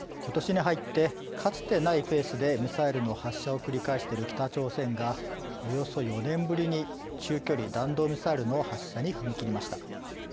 ことしに入ってかつてないペースでミサイルの発射を繰り返してる北朝鮮がおよそ４年ぶりに中距離弾道ミサイルの発射に踏み切りました。